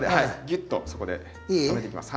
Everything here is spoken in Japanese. ギュッとそこで留めていきます。